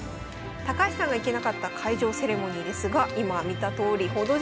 高橋さんが行けなかった開場セレモニーですが今見たとおり報道陣の数すごいですね。